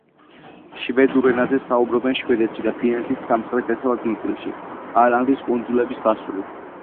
შვედურ ენაზე საუბრობენ შვედეთში და ფინეთის სამხრეთ-დასავლეთ ნაწილში, ალანდის კუნძულების გასწვრივ.